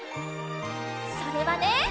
それはね。